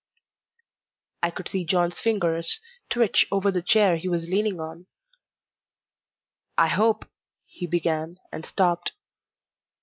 I could see John's fingers twitch over the chair he was leaning on. "I hope " he began, and stopped.